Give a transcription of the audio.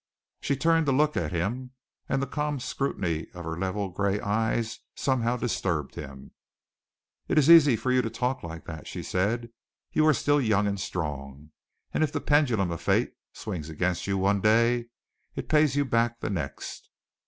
She turned to look at him, and the calm scrutiny of her level gray eyes somehow disturbed him. "It is easy for you to talk like that," she said. "You are still young and strong, and if the pendulum of fate swings against you one day, it pays you back the next.